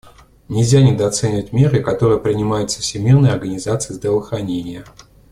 Нельзя недооценивать меры, которые принимаются Всемирной организацией здравоохранения.